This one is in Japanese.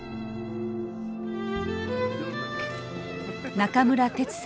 中村哲さん。